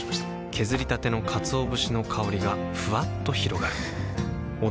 削りたてのかつお節の香りがふわっと広がるはぁ。